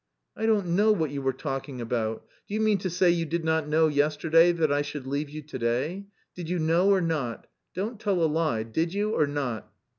"I don't know what you were talking about.... Do you mean to say you did not know yesterday that I should leave you to day, did you know or not? Don't tell a lie, did you or not?"